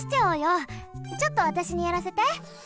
ちょっとわたしにやらせて！